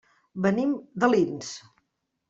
Venim d'Alins.